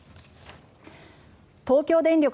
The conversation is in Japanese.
東京電力